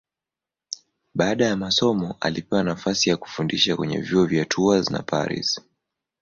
Baada ya masomo alipewa nafasi ya kufundisha kwenye vyuo vya Tours na Paris.